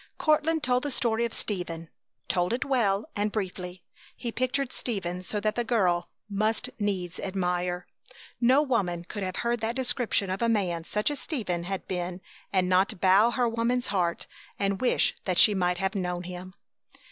Courtland told the story of Stephen; told it well and briefly. He pictured Stephen so that the girl must needs admire. No woman could have heard that description of a man such as Stephen had been and not bow her woman's heart and wish that she might have known him.